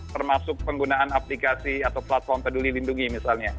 termasuk penggunaan aplikasi atau platform peduli lindungi misalnya